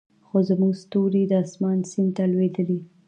خو زموږ ستوري د اسمان سیند ته لویدلې